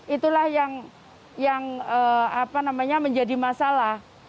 itulah yang menjadi masalah